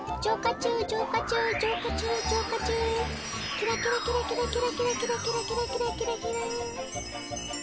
キラキラキラキラキラキラキラキラ。